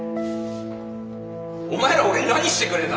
お前ら俺に何してくれた？